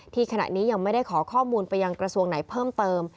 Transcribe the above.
ขณะนี้ยังไม่ได้ขอข้อมูลไปยังกระทรวงไหนเพิ่มเติม